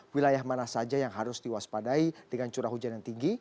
wilayah mana saja yang harus diwaspadai dengan curah hujan yang tinggi